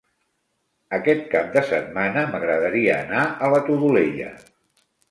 Aquest cap de setmana m'agradaria anar a la Todolella.